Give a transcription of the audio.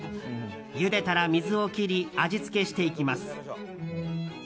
ゆでたら水を切り味付けしていきます。